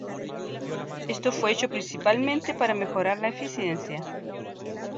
Esto fue hecho principalmente para mejorar la eficiencia.